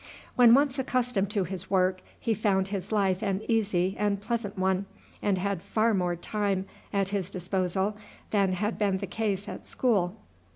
When once accustomed to his work he found his life an easy and pleasant one, and had far more time at his disposal than had been the case at school.